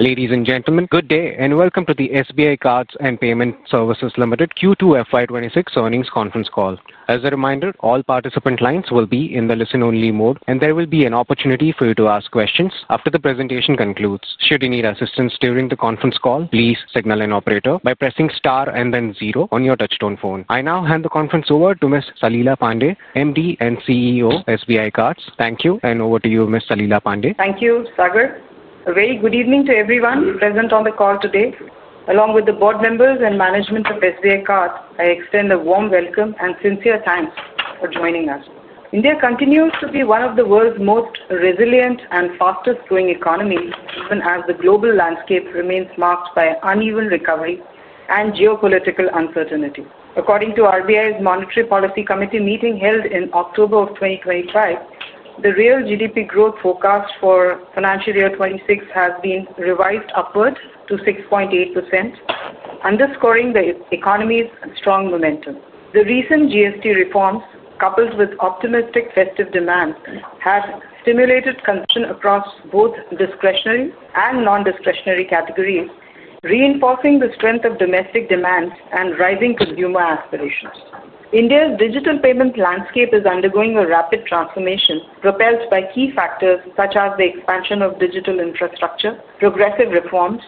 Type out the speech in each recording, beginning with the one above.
Ladies and gentlemen, good day and welcome to the SBI Cards and Payment Services Limited Q2 FY 2026 earnings conference call. As a reminder, all participant lines will be in the listen-only mode, and there will be an opportunity for you to ask questions after the presentation concludes. Should you need assistance during the conference call, please signal an operator by pressing star and then zero on your touchtone phone. I now hand the conference over to Ms. Salila Pande, MD and CEO, SBI Cards. Thank you, and over to you, Ms. Salila Pande. Thank you, Sagar. A very good evening to everyone present on the call today. Along with the Board members and management of SBI Cards, I extend a warm welcome and sincere thanks for joining us. India continues to be one of the world's most resilient and fastest-growing economies, even as the global landscape remains marked by uneven recovery and geopolitical uncertainty. According to RBI's Monetary Policy Committee meeting held in October 2025, the real GDP growth forecast for financial year 2026 has been revised upwards to 6.8%, underscoring the economy's strong momentum. The recent GST reforms, coupled with optimistic festive demands, have stimulated consumption across both discretionary and non-discretionary categories, reinforcing the strength of domestic demand and rising consumer aspirations. India's digital payment landscape is undergoing a rapid transformation, propelled by key factors such as the expansion of digital infrastructure, progressive reforms,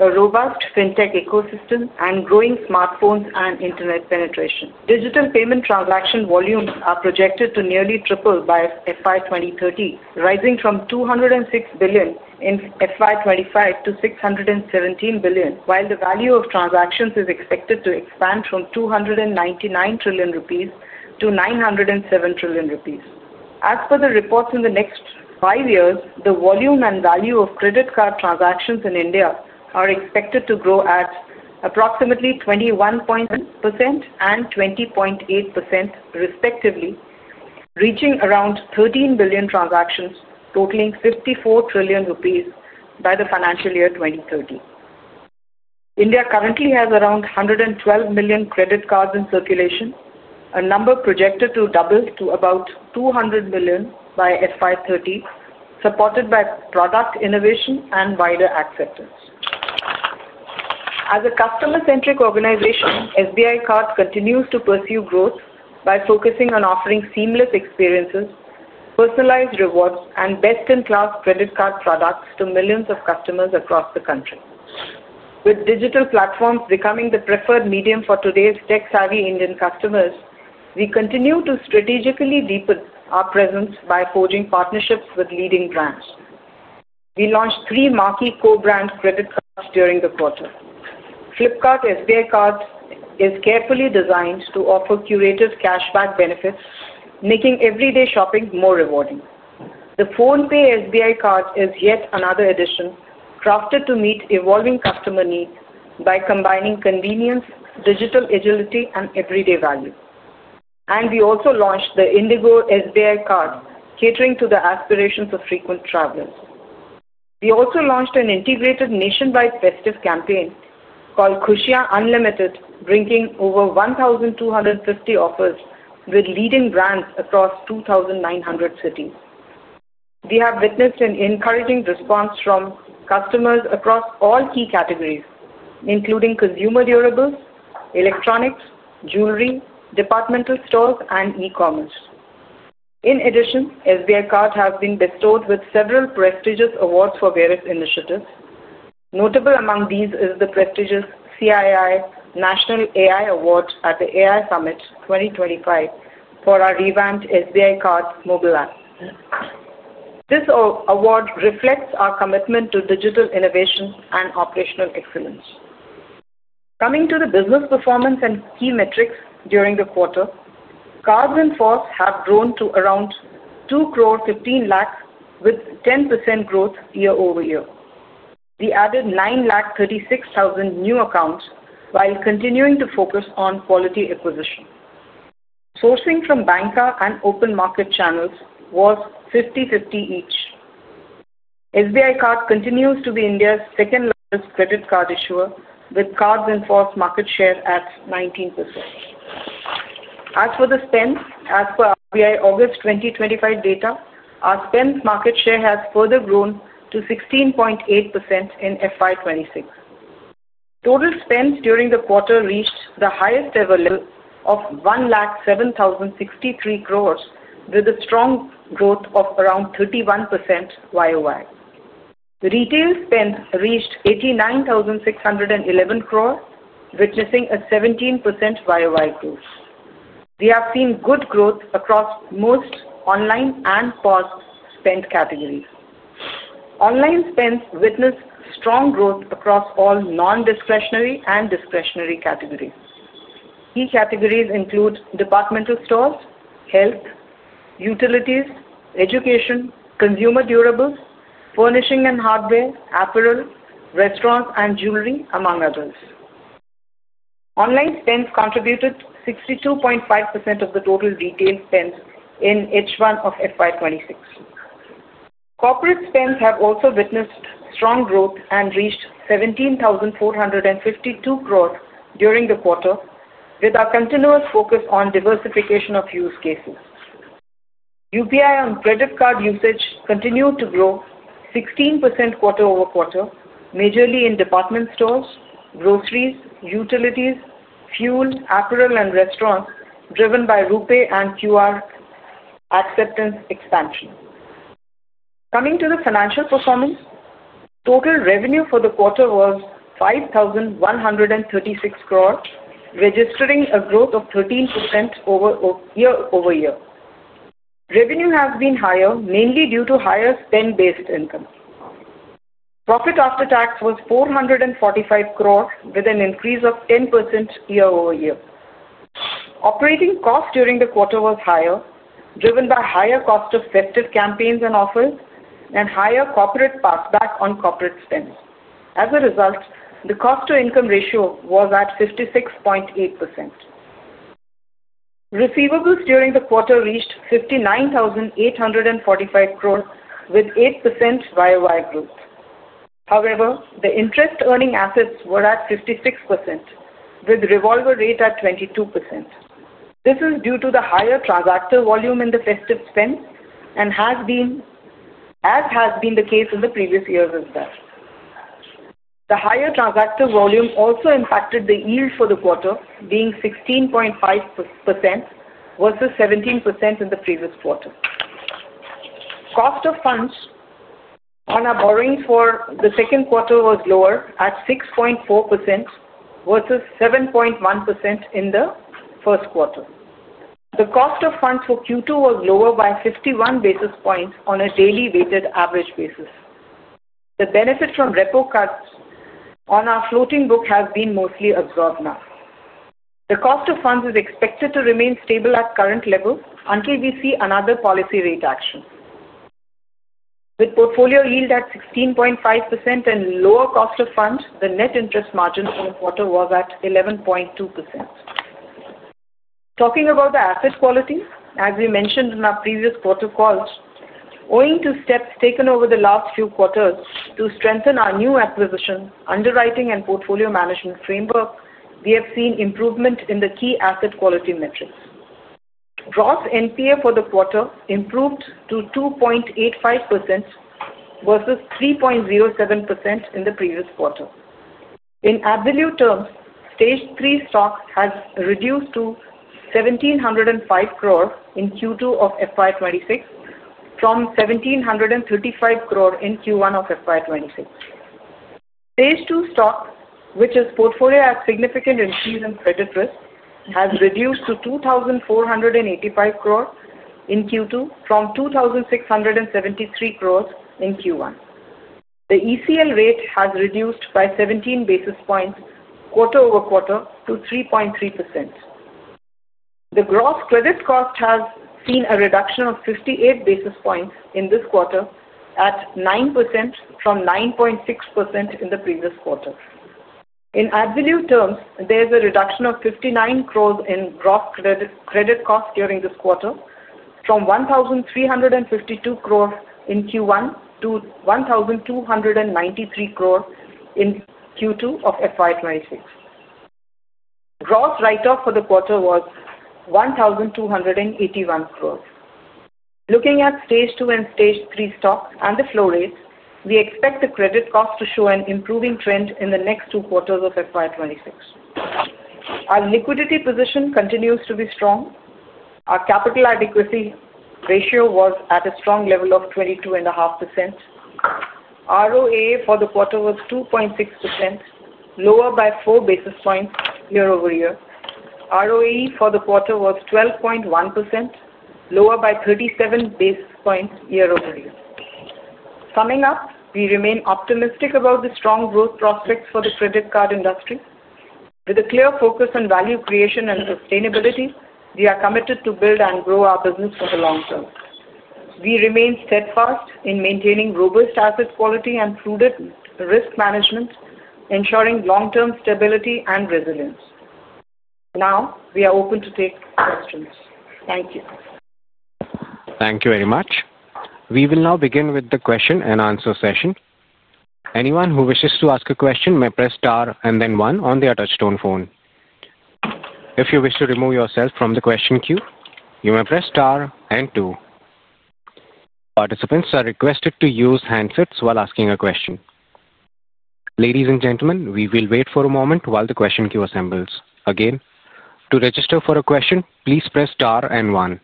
a robust fintech ecosystem, and growing smartphones and internet penetration. Digital payment transaction volumes are projected to nearly triple by FY 2030, rising from 206 billion in FY 2025 to 617 billion, while the value of transactions is expected to expand from 299 trillion rupees to 907 trillion rupees. As per the reports in the next five years, the volume and value of credit card transactions in India are expected to grow at approximately 21.8% and 20.8%, respectively, reaching around 13 billion transactions, totaling 54 trillion rupees by the financial year 2030. India currently has around 112 million credit cards in circulation, a number projected to double to about 200 million by FY 2030, supported by product innovation and wider acceptance. As a customer-centric organization, SBI Cards continues to pursue growth by focusing on offering seamless experiences, personalized rewards, and best-in-class credit card products to millions of customers across the country. With digital platforms becoming the preferred medium for today's tech-savvy Indian customers, we continue to strategically deepen our presence by forging partnerships with leading brands. We launched three marquee co-branded credit cards during the quarter. Flipkart SBI Card is carefully designed to offer curated cashback benefits, making everyday shopping more rewarding. The PhonePe SBI Card is yet another addition crafted to meet evolving customer needs by combining convenience, digital agility, and everyday value. We also launched the IndiGo SBI Card, catering to the aspirations of frequent travelers. We also launched an integrated nationwide festive campaign called Khushiyan Unlimited, bringing over 1,250 offers with leading brands across 2,900 cities. We have witnessed an encouraging response from customers across all key categories, including consumer durables, electronics, jewelry, departmental stores, and e-commerce. In addition, SBI Cards have been bestowed with several prestigious awards for various initiatives. Notable among these is the prestigious CII National AI Award at the AI Summit 2025 for our revamped SBI Cards mobile app. This award reflects our commitment to digital innovation and operational excellence. Coming to the business performance and key metrics during the quarter, Cards in Force have grown to around 2 crore 15 lakh, with 10% growth year over year. We added 936,000 new accounts while continuing to focus on quality acquisition. Sourcing from banker and open market channels was 50/50 each. SBI Cards continues to be India's second largest credit card issuer, with Cards in Force market share at 19%. As for the spend, as per RBI August 2025 data, our spend market share has further grown to 16.8% in FY 2026. Total spend during the quarter reached the highest ever level of 17,063 crore, with a strong growth of around 31% year over year. Retail spend reached 8,961.1 crore, witnessing a 17% year-over-year growth. We have seen good growth across most online and POS spend categories. Online spend witnessed strong growth across all non-discretionary and discretionary categories. Key categories include departmental stores, health, utilities, education, consumer durables, furnishing and hardware, apparel, restaurants, and jewelry, among others. Online spend contributed 62.5% of the total retail spend in H1 of FY 2026. Corporate spend has also witnessed strong growth and reached 1,745.2 crore during the quarter, with our continuous focus on diversification of use cases. UPI on credit card usage continued to grow 16% quarter-over-quarter, majorly in department stores, groceries, utilities, fuel, apparel, and restaurants, driven by RuPay and QR acceptance expansion. Coming to the financial performance, total revenue for the quarter was 5,136 crore, registering a growth of 13% year-over-year. Revenue has been higher, mainly due to higher spend-based income. Profit after tax was 445 crore, with an increase of 10% year-over-year. Operating costs during the quarter were higher, driven by higher cost-effective campaigns and offers and higher corporate payback on corporate spend. As a result, the cost-to-income ratio was at 56.8%. Receivables during the quarter reached 59,845 crore, with 8% year-over-year growth. However, the interest earning assets were at 56%, with revolver rate at 22%. This is due to the higher transactor volume in the festive spend, as has been the case in the previous years as well. The higher transactor volume also impacted the yield for the quarter, being 16.5% versus 17% in the previous quarter. Cost of funds on our borrowings for the second quarter was lower at 6.4% versus 7.1% in the first quarter. The cost of funds for Q2 was lower by 51 basis points on a daily weighted average basis. The benefit from repo cuts on our floating book has been mostly absorbed now. The cost of funds is expected to remain stable at current levels until we see another policy rate action. With portfolio yield at 16.5% and lower cost of funds, the net interest margin for the quarter was at 11.2%. Talking about the asset quality, as we mentioned in our previous quarter calls, owing to steps taken over the last few quarters to strengthen our new acquisition underwriting and portfolio management framework, we have seen improvement in the key asset quality metrics. Gross NPA for the quarter improved to 2.85% versus 3.07% in the previous quarter. In absolute terms, stage three stock has reduced to 1,705 crore in Q2 of FY 2026 from 1,735 crore in Q1 of FY 2026. Stage two stock, which is portfolio at significant increase in credit risk, has reduced to 2,485 crore in Q2 from 2,673 crore in Q1. The ECL rate has reduced by 17 basis points quarter over quarter to 3.3%. The gross credit cost has seen a reduction of 58 basis points in this quarter at 9% from 9.6% in the previous quarter. In absolute terms, there's a reduction of 59 crore in gross credit cost during this quarter from 1,352 crore in Q1 to 1,293 crore in Q2 of FY 2026. Gross write-off for the quarter was 1,281 crore. Looking at stage two and stage three stocks and the flow rates, we expect the credit cost to show an improving trend in the next two quarters of FY 2026. Our liquidity position continues to be strong. Our capital adequacy ratio was at a strong level of 22.5%. ROA for the quarter was 2.6%, lower by 4 basis points year over year. ROE for the quarter was 12.1%, lower by 37 basis points year over year. Summing up, we remain optimistic about the strong growth prospects for the credit card industry. With a clear focus on value creation and sustainability, we are committed to build and grow our business for the long term. We remain steadfast in maintaining robust asset quality and prudent risk management, ensuring long-term stability and resilience. Now, we are open to take questions. Thank you. Thank you very much. We will now begin with the question-and-answer session. Anyone who wishes to ask a question may press star and then one on their touchtone phone. If you wish to remove yourself from the question queue, you may press star and two. Participants are requested to use handsets while asking a question. Ladies and gentlemen, we will wait for a moment while the question queue assembles. Again, to register for a question, please press star and one.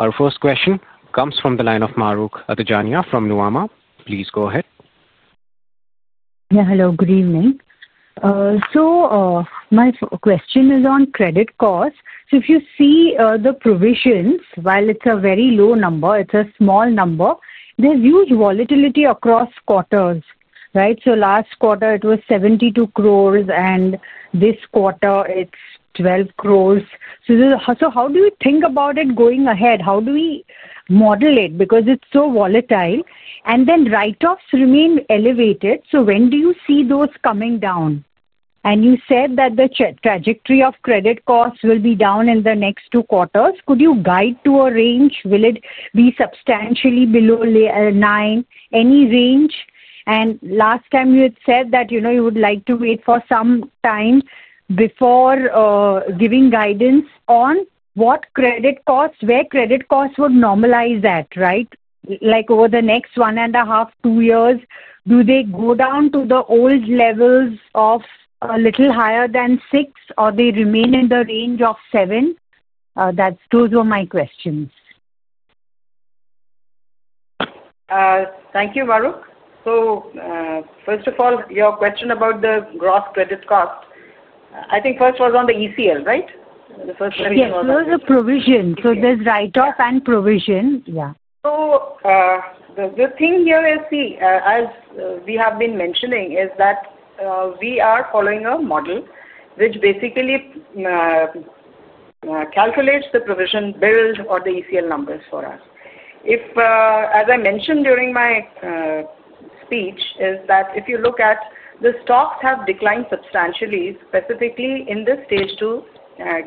Our first question comes from the line of Mahrukh Adajania from Nuvama. Please go ahead. Yeah, hello, good evening. My question is on credit costs. If you see, the provisions, while it's a very low number, it's a small number, there's huge volatility across quarters, right? Last quarter it was 72 crore, and this quarter it's 12 crore. How do you think about it going ahead? How do we model it? Because it's so volatile. Write-offs remain elevated. When do you see those coming down? You said that the trajectory of credit costs will be down in the next two quarters. Could you guide to a range? Will it be substantially below 9%? Any range? Last time you had said that you would like to wait for some time before giving guidance on what credit costs, where credit costs would normalize at, right? Over the next one and a half, two years, do they go down to the old levels of a little higher than 6%, or do they remain in the range of 7%? Those were my questions. Thank you, Mahrukh. First of all, your question about the gross credit costs, I think the first was on the ECL, right? The first question was on. Yes, it was a provision. There's write-off and provision, yeah. The thing here is, see, as we have been mentioning, we are following a model which basically calculates the provision bill or the ECL numbers for us. If, as I mentioned during my speech, if you look at the stocks, they have declined substantially, specifically in the stage two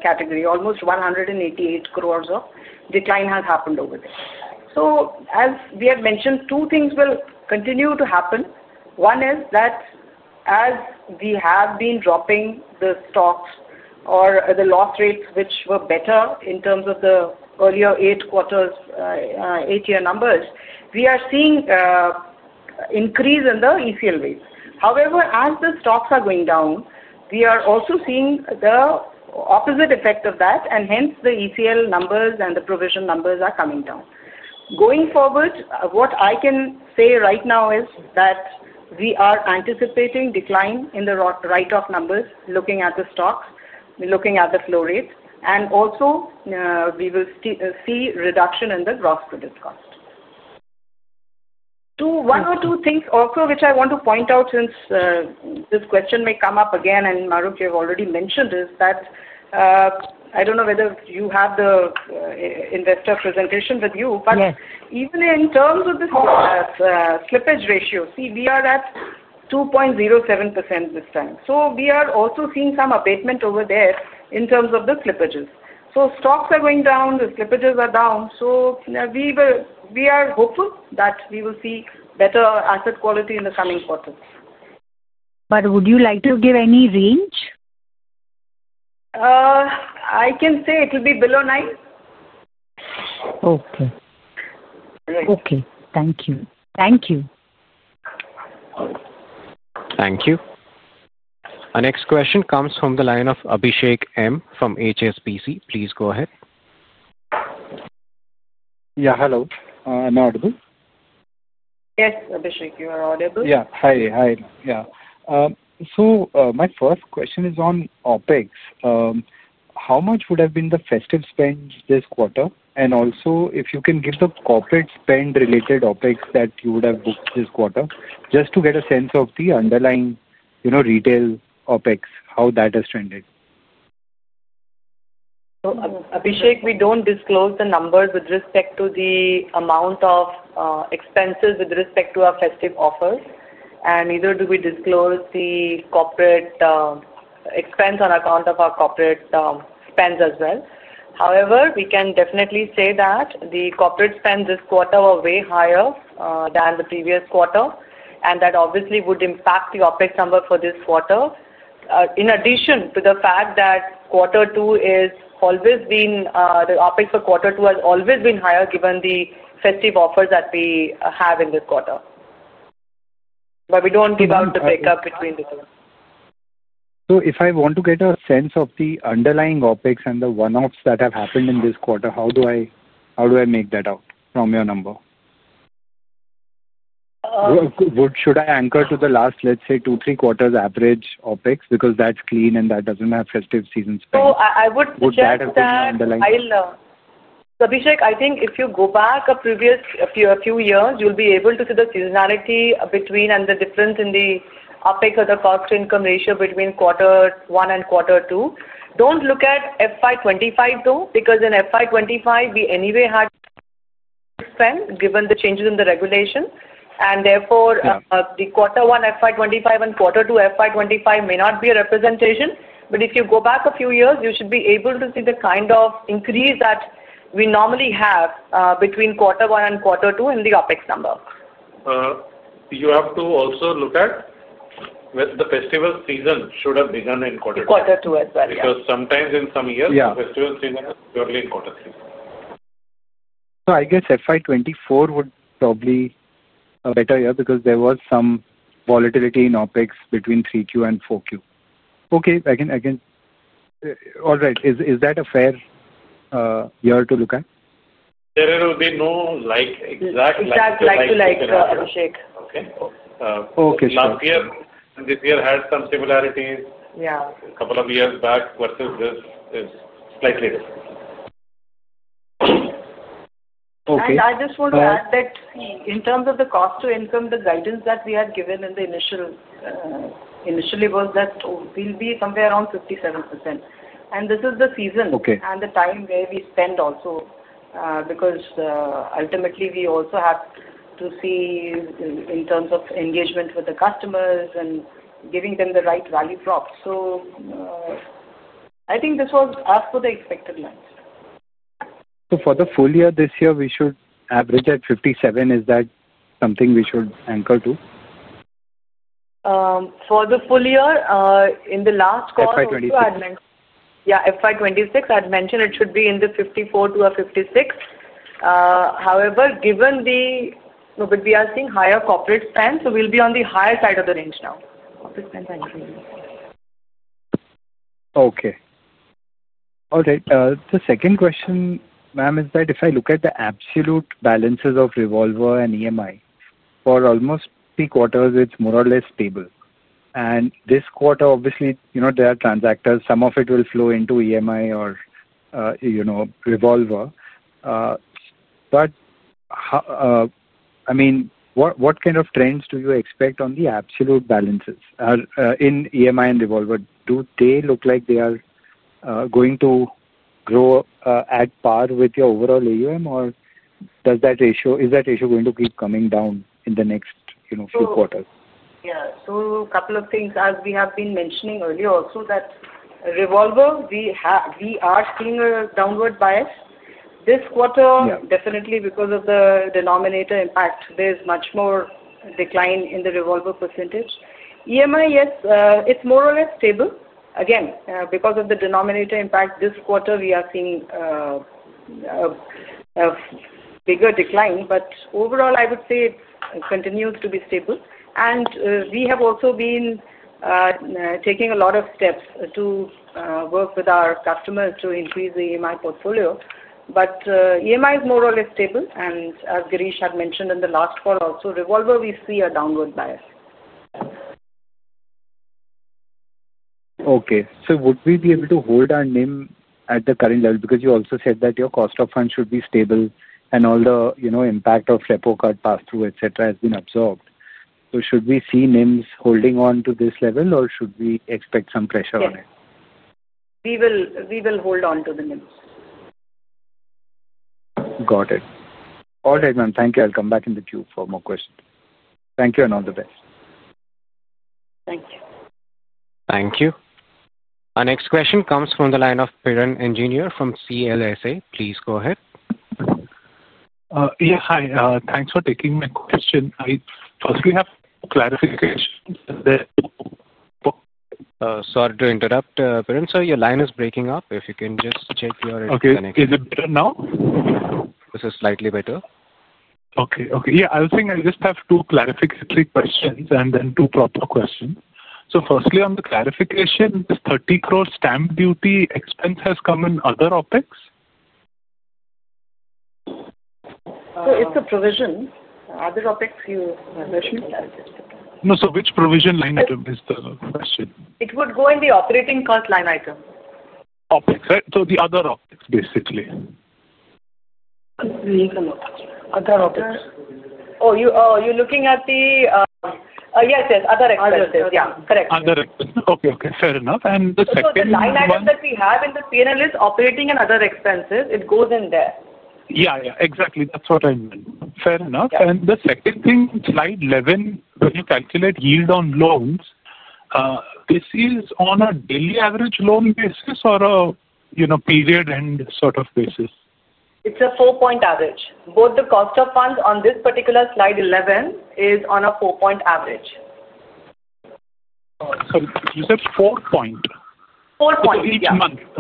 category. Almost 188 crore of decline has happened over there. As we had mentioned, two things will continue to happen. One is that as we have been dropping the stocks or the loss rates, which were better in terms of the earlier eight quarters, eight-year numbers, we are seeing increase in the ECL rates. However, as the stocks are going down, we are also seeing the opposite effect of that, and hence the ECL numbers and the provision numbers are coming down. Going forward, what I can say right now is that we are anticipating decline in the write-off numbers, looking at the stocks, looking at the flow rates, and also, we will see a reduction in the gross credit costs. One or two things also which I want to point out since this question may come up again, and Mahrukh, you've already mentioned this, I don't know whether you have the investor presentation with you, but even in terms of the slippage ratio, we are at 2.07% this time. We are also seeing some abatement over there in terms of the slippages. Stocks are going down, the slippages are down. We are hopeful that we will see better asset quality in the coming quarters. Would you like to give any range? I can say it will be below 9%. Okay. Right. Okay, thank you. Thank you. Thank you. Our next question comes from the line of Abhishek Murarka from HSBC. Please go ahead. Yeah, hello. Am I audible? Yes, Abhishek, you are audible. Hi. My first question is on OpEx. How much would have been the festive spend this quarter? Also, if you can give the corporate spend-related OpEx that you would have booked this quarter, just to get a sense of the underlying retail OpEx, how that has trended. Abhishek, we don't disclose the numbers with respect to the amount of expenses with respect to our festive offers, and neither do we disclose the expense on account of our corporate spends as well. However, we can definitely say that the corporate spend this quarter was way higher than the previous quarter, and that obviously would impact the OpEx number for this quarter, in addition to the fact that quarter two has always been, the OpEx for quarter two has always been higher given the festive offers that we have in this quarter. We don't give out the breakup between the two. If I want to get a sense of the underlying OpEx and the one-offs that have happened in this quarter, how do I make that out from your number? Should I anchor to the last, let's say, two, three quarters average OpEx because that's clean and that doesn't have festive season spend? I would just. Would that affect the underlying? Abhishek, I think if you go back a previous few years, you'll be able to see the seasonality between and the difference in the OpEx or the cost-to-income ratio between quarter one and quarter two. Don't look at FY 2025, though, because in FY 2025, we anyway had spend given the changes in the regulation. Therefore, the quarter one FY 2025 and quarter two FY 2025 may not be a representation. If you go back a few years, you should be able to see the kind of increase that we normally have between quarter one and quarter two in the OpEx number. You have to also look at whether the festival season should have begun in quarter two. In quarter two as well. Because sometimes in some years, the festival season is purely in quarter three. Yeah. I guess FY 2024 would probably be a better year because there was some volatility in OpEx between Q3 and Q4. Okay. All right. Is that a fair year to look at? There will be no exact like to like. Exact like-to-like, Abhishek. Okay. Sure. Last year and this year had some similarities. Yeah. A couple of years back versus this is slightly different. Okay. I just want to add that, see, in terms of the cost-to-income, the guidance that we had given initially was that it will be somewhere around 57%. This is the season. Okay. We spend time also, because ultimately, we also have to see in terms of engagement with the customers and giving them the right value prop. I think this was as per the expected length. For the full year this year, we should average at 57. Is that something we should anchor to? for the full year, in the last quarter. FY 2026. FY 2026, I'd mentioned it should be in the 54-56. However, given the, you know, we are seeing higher corporate spend, so we'll be on the higher side of the range now. Corporate spend is increasing. Okay. All right. The second question, ma'am, is that if I look at the absolute balances of revolver and EMI, for almost three quarters, it's more or less stable. This quarter, obviously, you know, there are transactors. Some of it will flow into EMI or, you know, revolver. How, I mean, what kind of trends do you expect on the absolute balances in EMI and revolver? Do they look like they are going to grow at par with your overall AUM, or is that ratio going to keep coming down in the next few quarters? Yeah. A couple of things, as we have been mentioning earlier also, that revolver, we are seeing a downward bias. This quarter, definitely, because of the denominator impact, there's much more decline in the revolver percentage. EMI, yes, it's more or less stable. Again, because of the denominator impact, this quarter we are seeing a bigger decline. Overall, I would say it continues to be stable. We have also been taking a lot of steps to work with our customers to increase the EMI portfolio. EMI is more or less stable. As Girish Budhiraja had mentioned in the last call also, revolver, we see a downward bias. Okay. Would we be able to hold our NIM at the current level? You also said that your cost of funds should be stable and all the impact of repo card pass-through, etc., has been absorbed. Should we see NIMs holding on to this level, or should we expect some pressure on it? We will hold on to the NIMs. Got it. All right, ma'am. Thank you. I'll come back in the queue for more questions. Thank you and all the best. Thank you. Thank you. Our next question comes from the line of Piran Engineer from CLSA. Please go ahead. Yeah, hi. Thanks for taking my question. I firstly have clarification that. Sorry to interrupt, Piran, Sir. Your line is breaking up. If you can just check your connection. Is it better now? This is slightly better. Okay. I was saying I just have two clarificatory questions and then two proper questions. Firstly, on the clarification, this 30 crore stamp duty expense has come in other OpEx? It's a provision. Other OpEx you mentioned? No, which provision line item is the question? It would go in the operating cost line item. OpEx, right? The other OpEx, basically. Other OpEx. Oh, you're looking at the, yes, yes, other expenses. Yeah, correct. Other expenses. Okay. Fair enough. The second. The line item that we have in the P&L is operating and other expenses. It goes in there. Exactly. That's what I meant. Fair enough. The second thing, slide 11, when you calculate yield on loans, is this on a daily average loan basis or a period-end sort of basis? It's a four-point average. Both the cost of funds on this particular slide 11 is on a four-point average. Sorry, you said 4 point? Four point, yeah. Each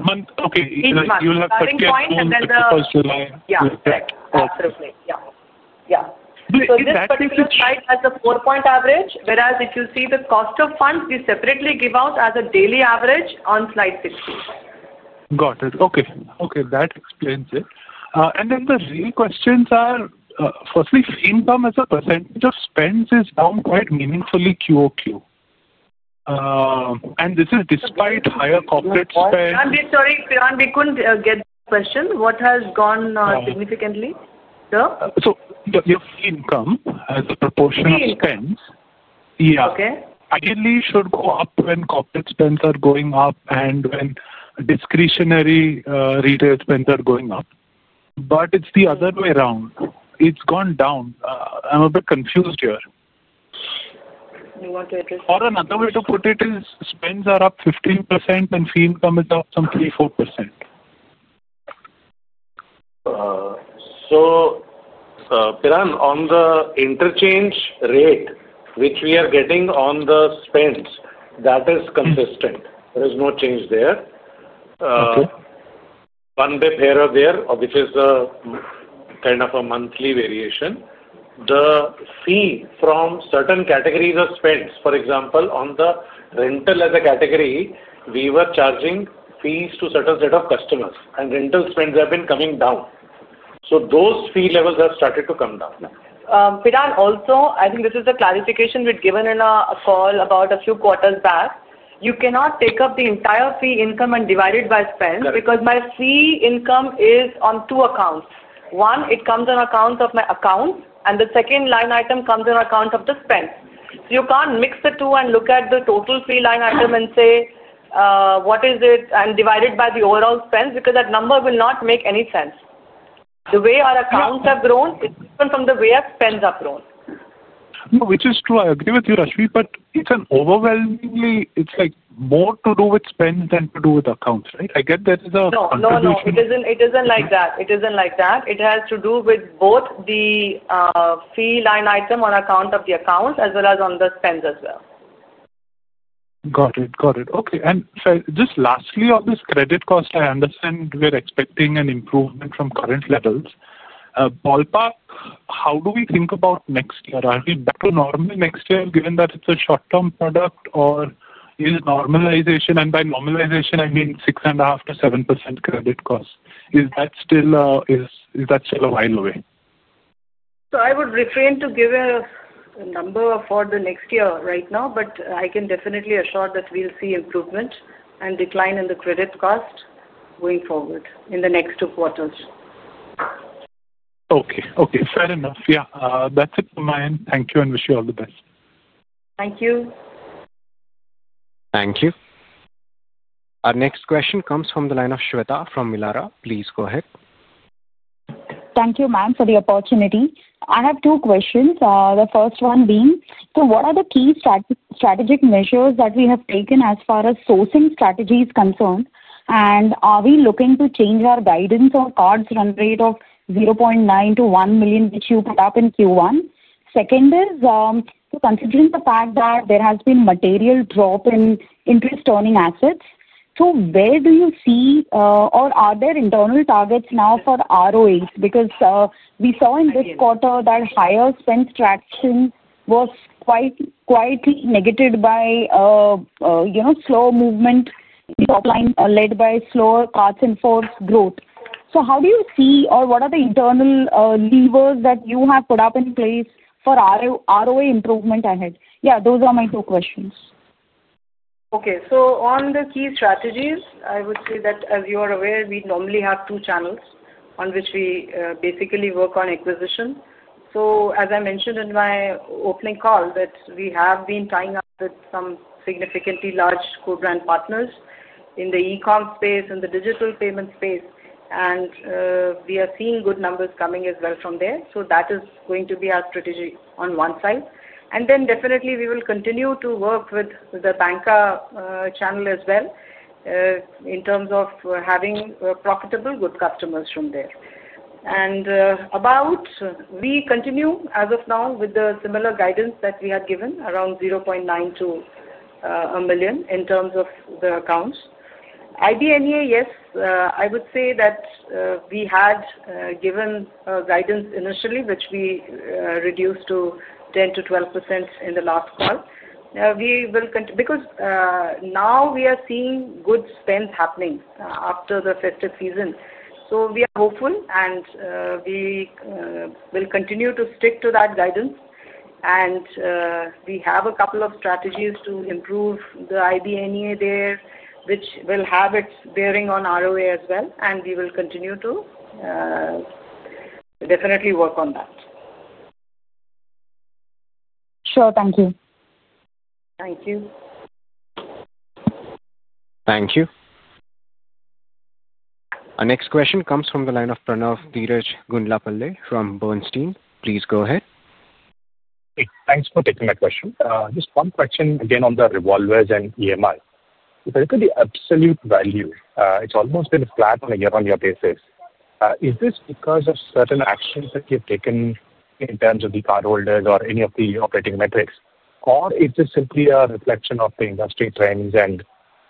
month. Okay. Each month. You'll have a second point and then the. Yeah, correct. Absolutely. Yeah. This particular slide has a four-point average, whereas if you see the cost of funds, we separately give out as a daily average on slide 16. Got it. Okay. That explains it. The real questions are, firstly, fee income as a percentage of spends is down quite meaningfully QoQ. This is despite higher corporate spend. I'm sorry, Piran, we couldn't get the question. What has gone significantly, sir? Your free income as a proportion of spends, yeah, ideally should go up when corporate spends are going up and when discretionary, retail spends are going up. It's the other way around. It's gone down. I'm a bit confused here. You want to address that? Another way to put it is spends are up 15% and fee income is up some 3%, 4%. Piran, on the interchange rate which we are getting on the spends, that is consistent. There is no change there, one bit here or there, which is a kind of a monthly variation. The fee from certain categories of spends, for example, on the rental as a category, we were charging fees to a certain set of customers, and rental spends have been coming down. Those fee levels have started to come down. Piran, also, I think this is a clarification we've given in a call about a few quarters back. You cannot take up the entire fee income and divide it by spend because my fee income is on two accounts. One, it comes on account of my accounts, and the second line item comes on account of the spends. You can't mix the two and look at the total fee line item and say, what is it and divide it by the overall spend because that number will not make any sense. The way our accounts have grown is different from the way our spends have grown. No, which is true. I agree with you, Rashmi, but it's overwhelmingly, it's more to do with spend than to do with accounts, right? I get there is a contribution. It isn't like that. It has to do with both the fee line item on account of the accounts as well as on the spends as well. Got it. Okay. Lastly, on this credit cost, I understand we're expecting an improvement from current levels. Ballpark, how do we think about next year? Are we back to normal next year given that it's a short-term product, or is normalization, and by normalization, I mean 6.5%-7% credit cost? Is that still a while away? I would refrain to give a number for the next year right now, but I can definitely assure that we'll see improvement and decline in the credit cost going forward in the next two quarters. Okay. Fair enough. Yeah, that's it from my end. Thank you and wish you all the best. Thank you. Thank you. Our next question comes from the line of Shweta from Avalara. Please go ahead. Thank you, ma'am, for the opportunity. I have two questions. The first one being, what are the key strategic measures that we have taken as far as sourcing strategy is concerned? Are we looking to change our guidance or cards run rate of 0.9 million-1 million which you put up in Q1? Second is, considering the fact that there has been a material drop in interest earning assets, where do you see, or are there internal targets now for ROAs? We saw in this quarter that higher spend traction was quite negated by slow movement, top line led by slower Cards in Force growth. How do you see, or what are the internal levers that you have put up in place for ROA improvement ahead? Those are my two questions. Okay. On the key strategies, I would say that, as you are aware, we normally have two channels on which we basically work on acquisition. As I mentioned in my opening call, we have been tying up with some significantly large co-brand partners in the e-com space and the digital payment space, and we are seeing good numbers coming as well from there. That is going to be our strategy on one side. We will continue to work with the banker channel as well, in terms of having profitable, good customers from there. We continue as of now with the similar guidance that we had given, around 0.9 million-1 million in terms of the accounts. IBNE, yes, I would say that we had given guidance initially, which we reduced to 10%-12% in the last call. We will continue because now we are seeing good spend happening after the festive season. We are hopeful, and we will continue to stick to that guidance. We have a couple of strategies to improve the IBNE there, which will have its bearing on ROA as well. We will continue to definitely work on that. Sure. Thank you. Thank you. Thank you. Our next question comes from the line of Pranav Gundlapalle from Bernstein. Please go ahead. Thanks for taking my question. Just one question again on the revolvers and EMI. If I look at the absolute value, it's almost been flat on a year-on-year basis. Is this because of certain actions that you've taken in terms of the cardholders or any of the operating metrics? Is this simply a reflection of the industry trends and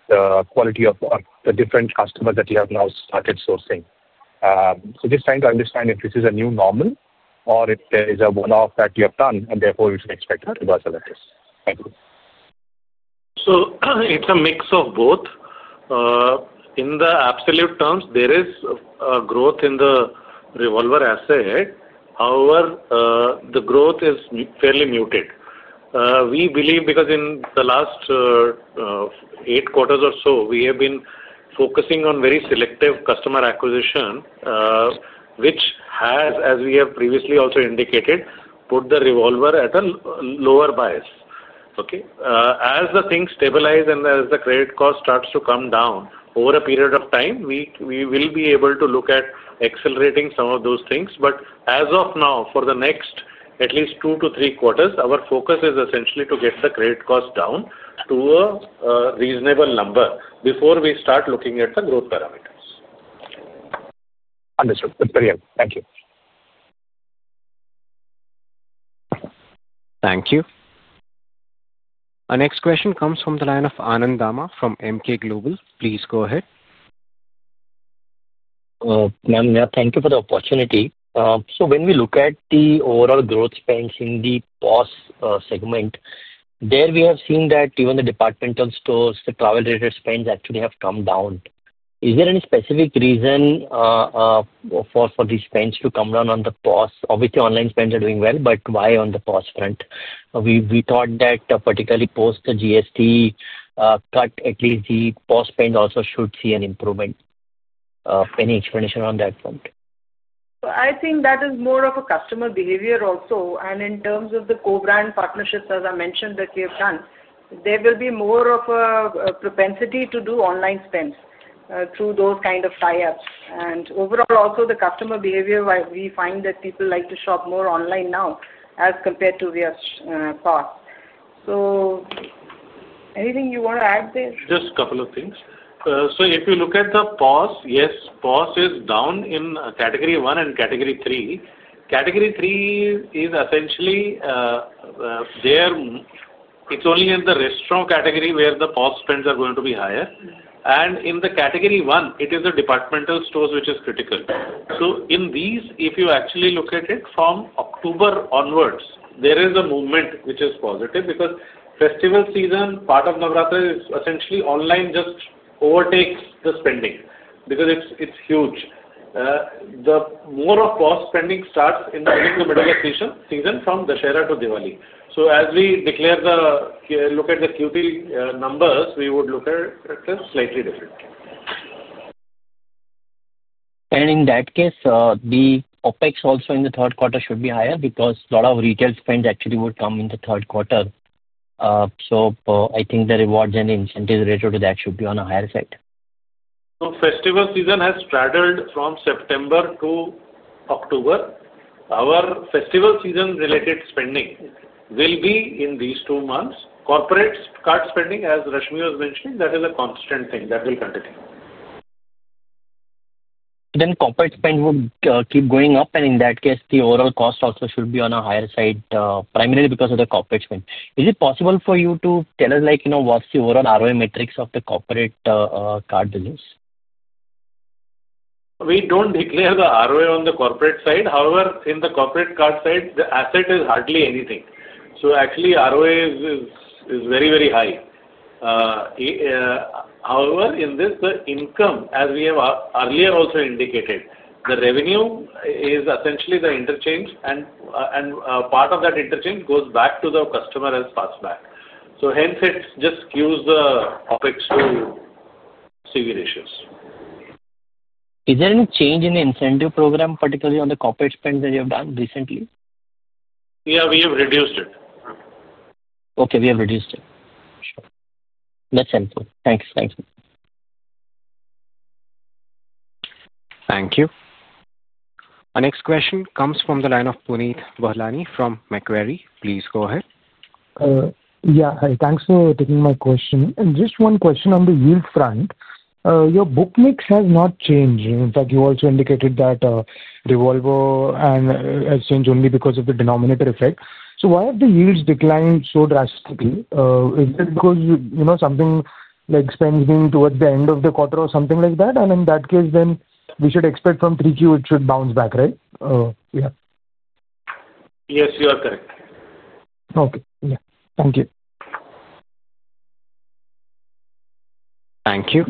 the quality of the different customers that you have now started sourcing? Just trying to understand if this is a new normal or if there is a one-off that you have done, and therefore you should expect a reversal like this. Thank you. It's a mix of both. In absolute terms, there is a growth in the revolver asset. However, the growth is fairly muted. We believe because in the last eight quarters or so, we have been focusing on very selective customer acquisition, which has, as we have previously also indicated, put the revolver at a lower bias. As things stabilize and as the credit cost starts to come down over a period of time, we will be able to look at accelerating some of those things. As of now, for the next at least two to three quarters, our focus is essentially to get the credit cost down to a reasonable number before we start looking at the growth parameters. Understood. Thank you. Thank you. Our next question comes from the line of Anand Dama from Emkay Global. Please go ahead. Ma'am, thank you for the opportunity. When we look at the overall growth spends in the POS segment, we have seen that even the departmental stores, the travel-related spends actually have come down. Is there any specific reason for these spends to come down on the POS? Obviously, online spends are doing well, but why on the POS front? We thought that particularly post the GST cut at least the POS spend also should see an improvement. Any explanation on that front? I think that is more of a customer behavior also. In terms of the co-brand partnerships, as I mentioned, that we have done, there will be more of a propensity to do online spends through those kind of tie-ups. Overall, also, the customer behavior, we find that people like to shop more online now as compared to via POS. Anything you want to add there? Just a couple of things. If you look at the POS, yes, POS is down in category one and category three. Category three is essentially, it's only in the restaurant category where the POS spends are going to be higher. In category one, it is the departmental stores which is critical. If you actually look at it from October onwards, there is a movement which is positive because festival season, part of Navrathra, is essentially online just overtakes the spending because it's huge. The more of POS spending starts in the middle of the season from Dashera to Diwali. As we declare the look at the QT numbers, we would look at it slightly differently. In that case, the OpEx also in the third quarter should be higher because a lot of retail spends actually would come in the third quarter. I think the rewards and incentives related to that should be on a higher side. The festival season has straddled from September to October. Our festival season-related spending will be in these two months. Corporate card spending, as Rashmi was mentioning, is a constant thing that will continue. Corporate spend would keep going up, and in that case, the overall cost also should be on a higher side, primarily because of the corporate spend. Is it possible for you to tell us, like, you know, what's the overall ROA metrics of the corporate card business? We don't declare the ROA on the corporate side. However, in the corporate card side, the asset is hardly anything. So actually, ROA is very, very high. However, in this, the income, as we have earlier also indicated, the revenue is essentially the interchange, and part of that interchange goes back to the customer as fast back. Hence, it just skews the OpEx to CV ratios. Is there any change in the incentive program, particularly on the corporate spend that you have done recently? Yeah, we have reduced it. Okay, we have reduced it. Sure, that's helpful. Thanks. Thank you. Thank you. Our next question comes from the line of Punit Bahlani from Macquarie. Please go ahead. Yeah, hi. Thanks for taking my question. Just one question on the yield front. Your book mix has not changed. In fact, you also indicated that revolver and exchange only because of the denominator effect. Why have the yields declined so drastically? Is it because, you know, something like spending towards the end of the quarter or something like that? In that case, we should expect from 3Q it should bounce back, right? Yeah. Yes, you are correct. Okay, yeah. Thank you. Thank you.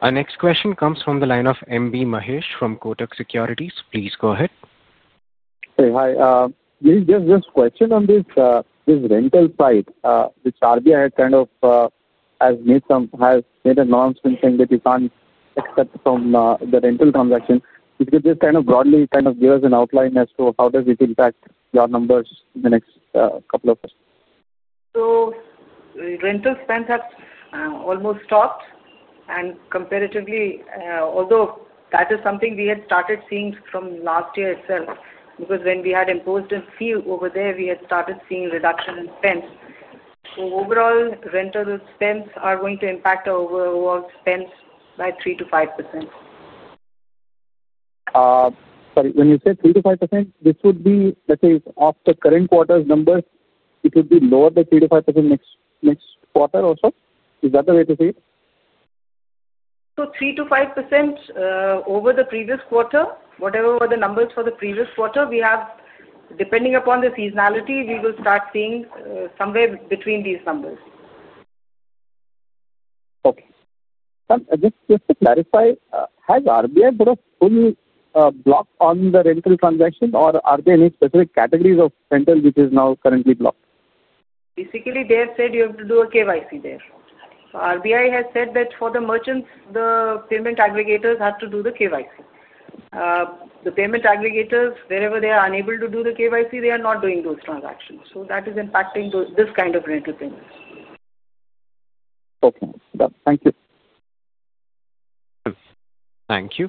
Our next question comes from the line of MB Mahesh from Kotak Securities. Please go ahead. Okay. Hi. Just this question on this rental side, which RBI had kind of made an announcement saying that you can't accept from the rental transaction. If you could just broadly give us an outline as to how does it impact your numbers in the next couple of questions. The rental spend has almost stopped. Comparatively, although that is something we had started seeing from last year itself because when we had imposed a fee over there, we had started seeing reduction in spends. Overall, rental spends are going to impact our overall spends by 3%-5%. Sorry. When you say 3%-5%, this would be, let's say, off the current quarter's numbers, it would be lower than 3%-5% next quarter or so? Is that the way to say it? 3%-5%, over the previous quarter, whatever were the numbers for the previous quarter, we have, depending upon the seasonality, we will start seeing, somewhere between these numbers. Okay. Just to clarify, has RBI put a full block on the rental transaction, or are there any specific categories of rental which is now currently blocked? Basically, they have said you have to do a KYC there. RBI has said that for the merchants, the payment aggregators have to do the KYC. The payment aggregators, wherever they are unable to do the KYC, are not doing those transactions. That is impacting this kind of rental payments. Okay, thank you. Thank you.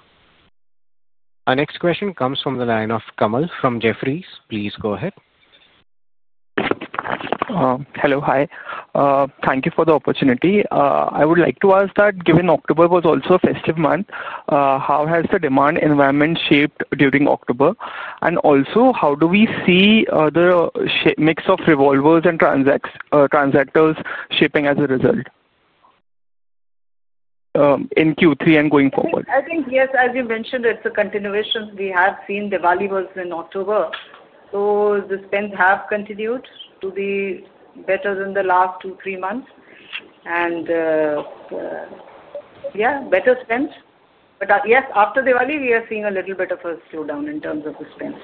Our next question comes from the line of Kamal from Jefferies. Please go ahead. Hello. Hi. Thank you for the opportunity. I would like to ask that given October was also a festive month, how has the demand environment shaped during October? Also, how do we see the mix of revolvers and transactors shaping as a result, in Q3 and going forward? I think, yes, as you mentioned, it's a continuation. We have seen Diwali was in October, so the spends have continued to be better than the last two, three months. Yeah, better spends. Yes, after Diwali, we are seeing a little bit of a slowdown in terms of the spends.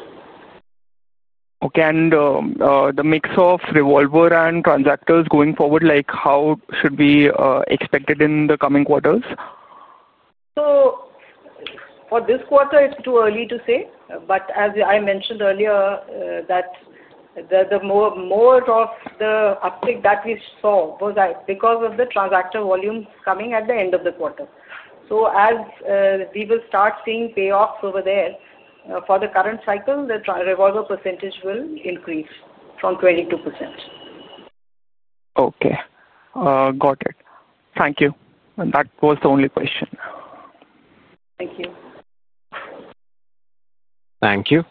The mix of revolver and transactors going forward, like how should we expect it in the coming quarters? For this quarter, it's too early to say. As I mentioned earlier, more of the uptake that we saw was because of the transactor volume coming at the end of the quarter. As we will start seeing payoffs over there, for the current cycle, the revolver percentage will increase from 22%. Okay. Got it. Thank you. That was the only question. Thank you. Thank you.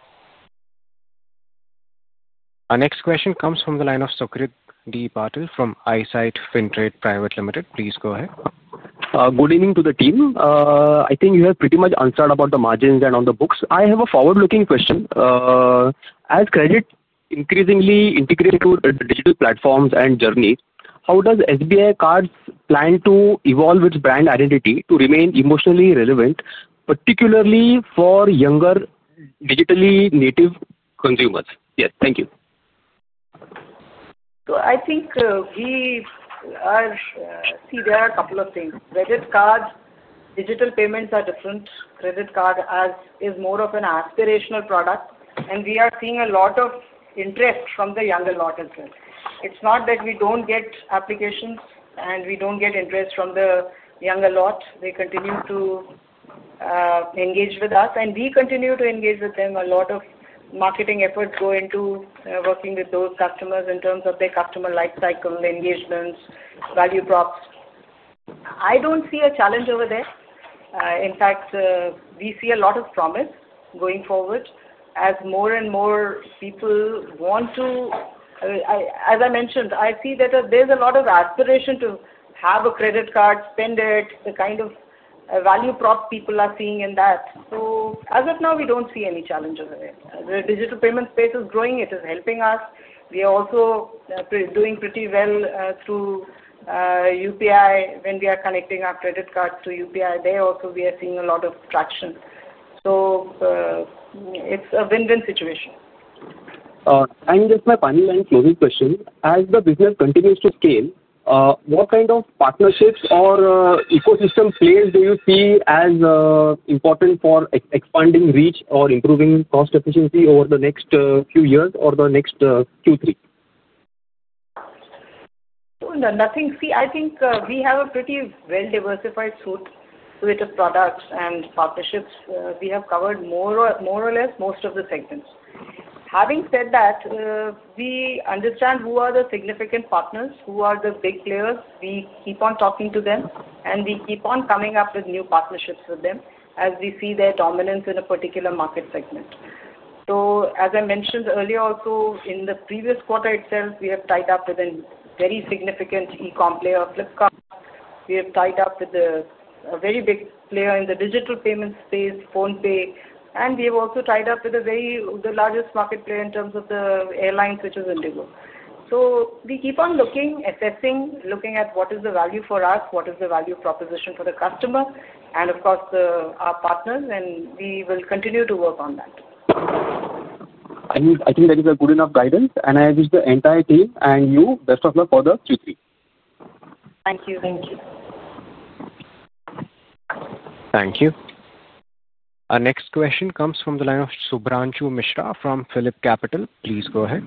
Our next question comes from the line of Sucrit D. Patil from Eyesight Fintrade Private Limited. Please go ahead. Good evening to the team. I think you have pretty much answered about the margins and on the books. I have a forward-looking question. As credit increasingly integrates with the digital platforms and journeys, how does SBI Cards plan to evolve its brand identity to remain emotionally relevant, particularly for younger digitally native consumers? Yes, thank you. I think there are a couple of things. Credit cards and digital payments are different. Credit card is more of an aspirational product, and we are seeing a lot of interest from the younger lot as well. It's not that we don't get applications and we don't get interest from the younger lot. They continue to engage with us, and we continue to engage with them. A lot of marketing efforts go into working with those customers in terms of their customer lifecycle, engagements, and value props. I don't see a challenge over there. In fact, we see a lot of promise going forward as more and more people want to, as I mentioned, I see that there's a lot of aspiration to have a credit card, spend it, the kind of value prop people are seeing in that. As of now, we don't see any challenges over there. The digital payment space is growing. It is helping us. We are also doing pretty well through UPI. When we are connecting our credit cards to UPI, there also we are seeing a lot of traction. It's a win-win situation. My final and closing question. As the business continues to scale, what kind of partnerships or ecosystem players do you see as important for expanding reach or improving cost efficiency over the next few years or the next Q3? No, nothing. See, I think we have a pretty well-diversified suite with the products and partnerships. We have covered more or less most of the segments. Having said that, we understand who are the significant partners, who are the big players. We keep on talking to them. We keep on coming up with new partnerships with them as we see their dominance in a particular market segment. As I mentioned earlier, also in the previous quarter itself, we have tied up with a very significant e-com player, Flipkart. We have tied up with a very big player in the digital payment space, PhonePe. We have also tied up with the largest market player in terms of the airlines, which is IndiGo. We keep on looking, assessing, looking at what is the value for us, what is the value proposition for the customer, and of course, our partners. We will continue to work on that. I think that is good enough guidance. I wish the entire team and you best of luck for Q3. Thank you. Thank you. Thank you. Our next question comes from the line of Shubhranshu Mishra from PhillipCapital. Please go ahead.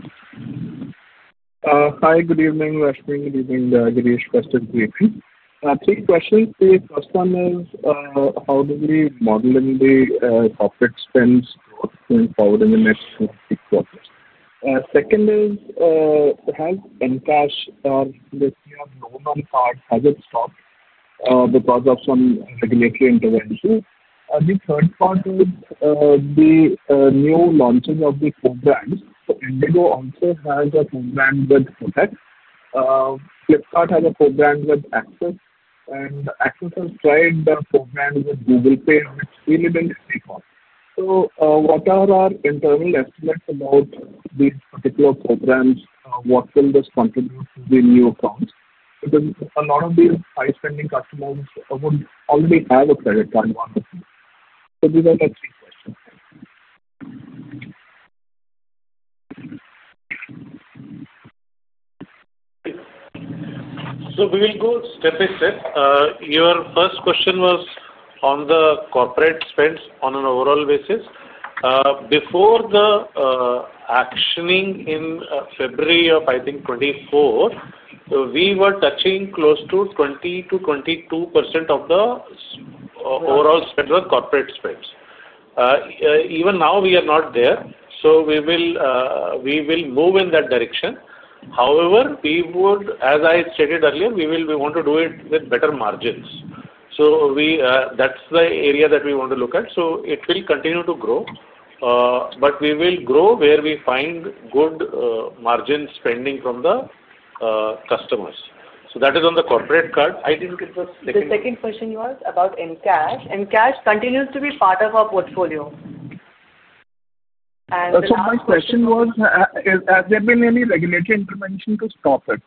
Hi. Good evening, Rashmi. Good evening, Girish, Preston, QAP. Three questions. The first one is, how do we model in the corporate spend growth going forward in the next six quarters? Second is, has Encash or the TR loan on cards, has it stopped because of some regulatory intervention? The third part is the new launches of the co-brands. IndiGo also has a co-brand with Kotak. Flipkart has a co-brand with Axis. Axis has tried the co-brand with Google Pay on its pre-labeled pay card. What are our internal estimates about these particular co-brands? What will this contribute to the new accounts? A lot of these high-spending customers would already have a credit card, one or two. These are my three questions. We will go step by step. Your first question was on the corporate spend on an overall basis. Before the actioning in February of 2024, we were touching close to 20%-22% of the overall spend with corporate spends. Even now, we are not there. We will move in that direction. However, as I stated earlier, we want to do it with better margins. That's the area that we want to look at. It will continue to grow, but we will grow where we find good margin spending from the customers. That is on the corporate card. I didn't get the second. The second question was about Encash. Encash continues to be part of our portfolio. Has there been any regulatory intervention to stop it?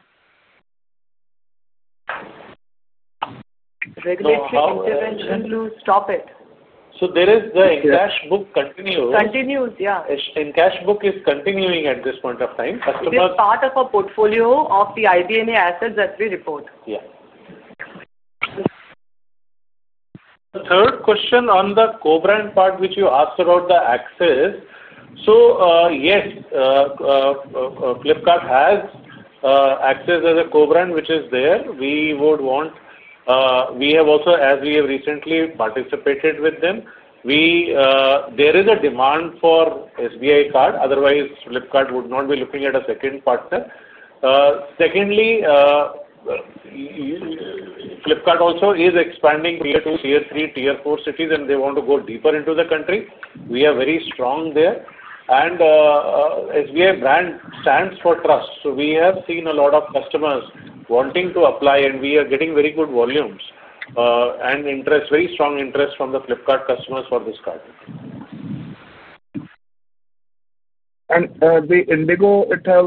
Regulatory intervention to stop it? The Encash book continues. Continues, yeah. Encash book is continuing at this point of time. Which is part of our portfolio of the IBNE assets that we report. Yeah. The third question on the co-brand part, which you asked about the Axis, yes, Flipkart has Axis as a co-brand, which is there. We have also, as we have recently participated with them, there is a demand for SBI Cards. Otherwise, Flipkart would not be looking at a second partner. Secondly, Flipkart also is expanding tier two, tier three, tier four cities, and they want to go deeper into the country. We are very strong there. The SBI brand stands for trust. We have seen a lot of customers wanting to apply, and we are getting very good volumes and very strong interest from the Flipkart customers for this card. IndiGo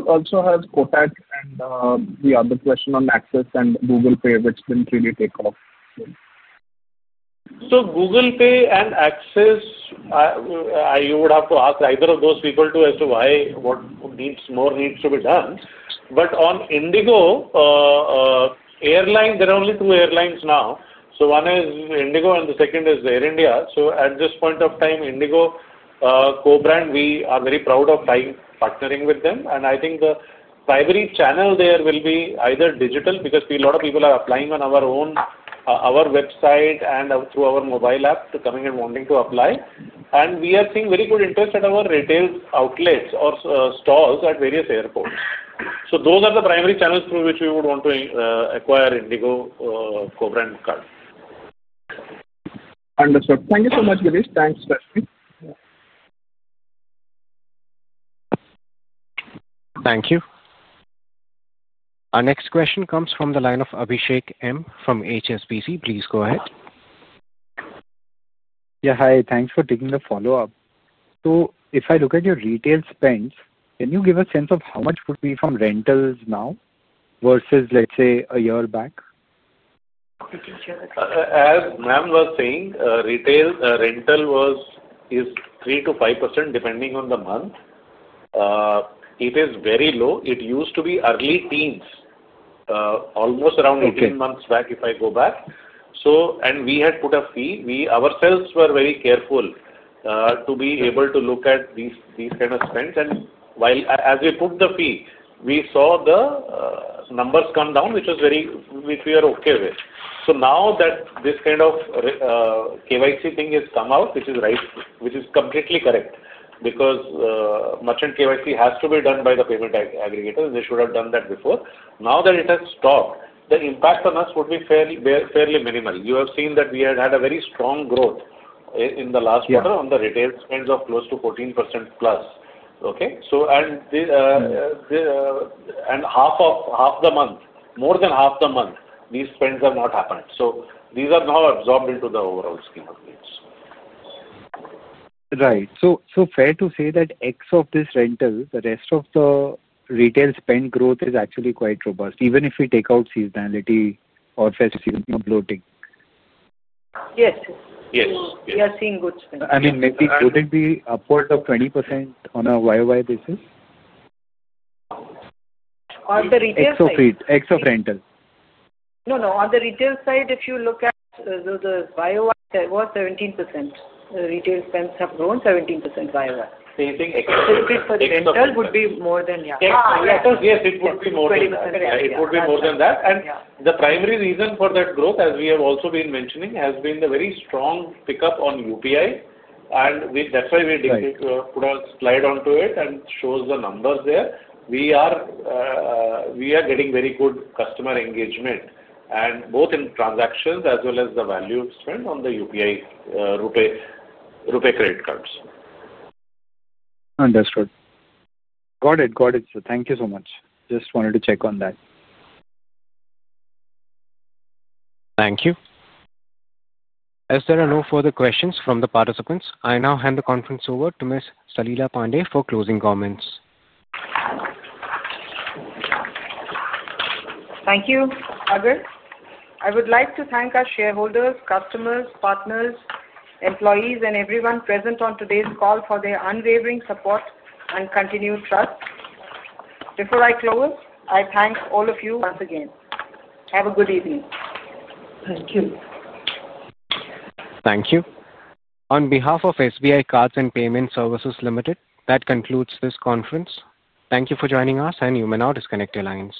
also has Kotak, and the other question on Axis and Google Pay, which didn't really take off. Google Pay and Axis, you would have to ask either of those people as to why, what more needs to be done. On IndiGo, airline, there are only two airlines now. One is IndiGo, and the second is Air India. At this point of time, IndiGo co-brand, we are very proud of partnering with them. I think the primary channel there will be digital because a lot of people are applying on our own website and through our mobile app to come and wanting to apply. We are seeing very good interest at our retail outlets or stalls at various airports. Those are the primary channels through which we would want to acquire IndiGo co-brand card. Understood. Thank you so much, Girish. Thanks, Rashmi. Thank you. Our next question comes from the line of Abhishek M. from HSBC. Please go ahead. Yeah, hi. Thanks for taking the follow-up. If I look at your retail spend, can you give a sense of how much would be from rentals now versus, let's say, a year back? As ma'am was saying, retail rental was 3%-5% depending on the month. It is very low. It used to be early teens, almost around 18 months back if I go back. We had put a fee. We ourselves were very careful to be able to look at these kind of spends. While, as we put the fee, we saw the numbers come down, which we are okay with. Now that this kind of KYC thing has come out, which is right, which is completely correct because merchant KYC has to be done by the payment aggregators, and they should have done that before. Now that it has stopped, the impact on us would be fairly minimal. You have seen that we had a very strong growth in the last quarter on the retail spends of close to 14%+. Half the month, more than half the month, these spends have not happened. These are now absorbed into the overall scheme of needs. Right. Fair to say that X of this rental, the rest of the retail spend growth is actually quite robust, even if we take out seasonality or festive bloating. Yes. Yes. We are seeing good spend. I mean, maybe could it be upwards of 20% on a YoY basis? On the retail side? X of rental. No, on the retail side, if you look at the YoY, it was 17%. The retail spends have grown 17% YoY. You think X of rental would be more than, yeah. Yes. Yes, it would be more than that. 20%. Okay. It would be more than that. The primary reason for that growth, as we have also been mentioning, has been the very strong pickup on UPI. That is why we put a slide onto it and show the numbers there. We are getting very good customer engagement, both in transactions as well as the value spend on the UPI, RuPay credit cards. Understood. Got it. Thank you so much. Just wanted to check on that. Thank you. If there are no further questions from the participants, I now hand the conference over to Ms. Salila Pande for closing comments. Thank you, Agar. I would like to thank our shareholders, customers, partners, employees, and everyone present on today's call for their unwavering support and continued trust. Before I close, I thank all of you once again. Have a good evening. Thank you. Thank you. On behalf of SBI Cards and Payment Services Limited, that concludes this conference. Thank you for joining us, and you may now disconnect your lines.